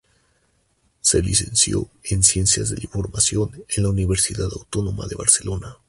Se licenció en Ciencias de la Información en la Universidad Autónoma de Barcelona.